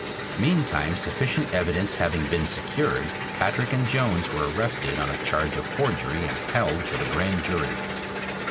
Meantime sufficient evidence having been secured, Patrick and Jones were arrested on a charge of forgery and held for the Grand Jury.